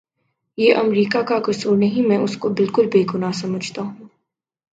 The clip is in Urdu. یہ امریکہ کا کسور نہیں میں اس کو بالکل بے گناہ سمجھتا ہوں